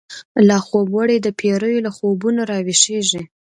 لا خوب وړی دپیړیو، له خوبونو را وښیږیږی